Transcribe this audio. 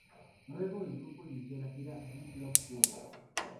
Luego el grupo inició la gira "Big Love Tour".